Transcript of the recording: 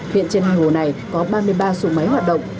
hiện trên hai hồ này có ba mươi ba xuồng máy hoạt động